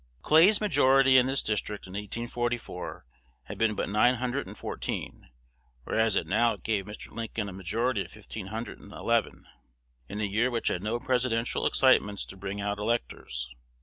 Clay's majority in this district in 1844 had been but nine hundred and fourteen; whereas it now gave Mr. Lincoln a majority of fifteen hundred and eleven, in a year which had no Presidential excitements to bring out electors.